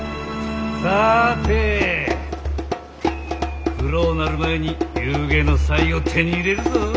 さて暗うなる前に夕げの菜を手に入れるぞ！